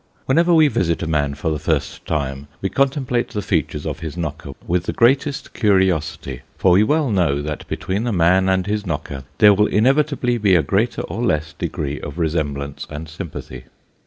Whenever we visit a man for the first time, we contemplate the features of his knocker with the greatest curiosity, for we well know, that between the man and his knocker, there will inevitably be a greater or less degree of resemblance and sympathy.